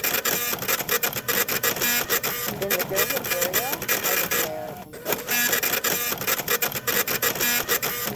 In the Girvan area are the Blair and Straiton Beds.